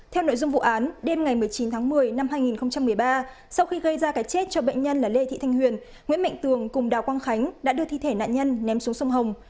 theo nội dung vụ án đêm ngày một mươi chín tháng một mươi năm hai nghìn một mươi ba sau khi gây ra cái chết cho bệnh nhân là lê thị thanh huyền nguyễn mạnh tường cùng đào quang khánh đã đưa thi thể nạn nhân ném xuống sông hồng